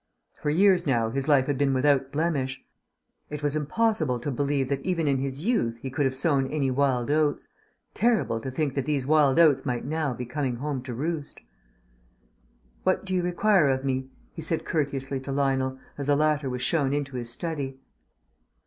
For years now his life had been without blemish. It was impossible to believe that even in his youth he could have sown any wild oats; terrible to think that these wild oats might now be coming home to roost. "What do you require of me?" he said courteously to Lionel, as the latter was shown into his study.